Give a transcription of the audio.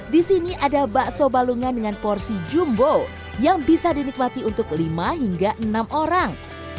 di sini ada bakso balungan dengan porsi jumbo yang bisa dinikmati untuk lima hingga enam orang